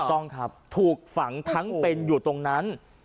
ต้องครับถูกฝังทั้งเป็นอยู่ตรงนั้น